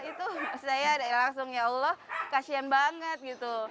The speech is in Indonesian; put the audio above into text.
itu saya langsung ya allah kasian banget gitu